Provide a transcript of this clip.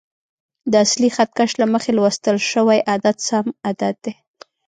د اصلي خط کش له مخې لوستل شوی عدد سم عدد دی.